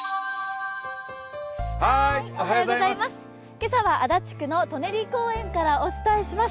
今朝は足立区の舎人公園からお伝えします。